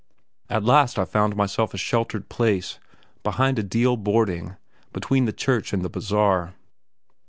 At last I found myself a sheltered place, behind a deal hoarding, between the church and the bazaar.